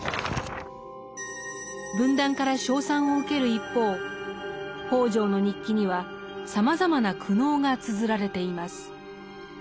文壇から称賛を受ける一方北條の日記にはさまざまな苦悩がつづられています。